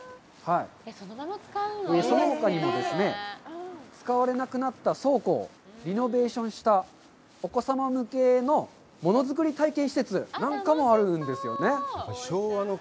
そのほかにも、使われなくなった倉庫をリノベーションしたお子様向けのもの作り体験施設なんかもあるんですよね。